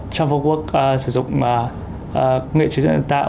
trans bốn work sử dụng nghệ chí dựa trên nền tảng